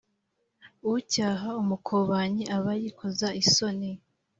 Ucyaha umukobanyi aba yikoza isoni